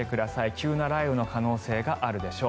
急な雷雨の可能性があるでしょう。